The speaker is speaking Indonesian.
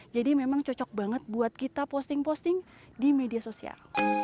jadi memang cocok banget buat kita posting posting di media sosial